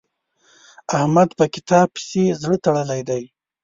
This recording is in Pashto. احمد په کتاب پسې زړه تړلی دی.